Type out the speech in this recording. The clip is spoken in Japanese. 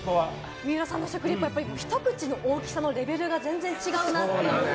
水卜さんの食リポは、やっぱり一口の大きさのレベルが、全然違うなっていう。